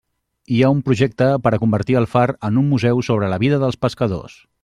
Hi ha un projecte per a convertir el far en un museu sobre la vida dels pescadors.